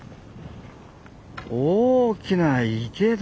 大きな池だ。